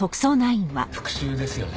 復讐ですよね？